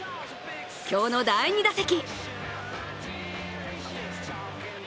今日の第２打席。